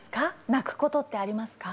泣くことってありますか？